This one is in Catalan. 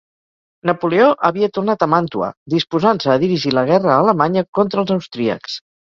Napoleó havia tornat a Màntua, disposant-se a dirigir la guerra a Alemanya contra els austríacs.